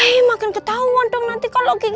eh makin ketauan dong nanti kalau kiki art